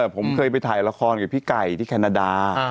ผมเคยไปถ่ายละครกับพี่ไก่ที่แคนาดา